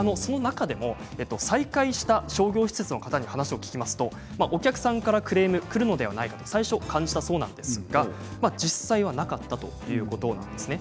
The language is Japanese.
再開した商業施設の方に話を聞くと、お客さんからクレームがくるのではないかと感じていたそうですが実際はなかったということなんです。